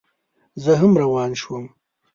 زه هم روان شوم.